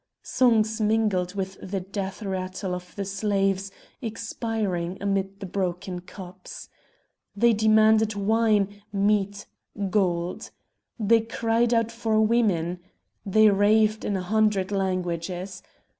Songs mingled with the death rattle of the slaves expiring amid the broken cups. They demanded wine, meat, gold. They cried out for women. They raved in a hundred languages.